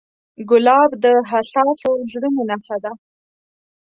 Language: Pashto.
ګلاب د حساسو زړونو نښه ده.